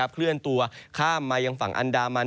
เคลื่อนตัวข้ามมายังฝั่งอันดามัน